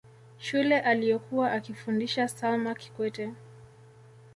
shule aliyokuwa akifundisha salma kikwete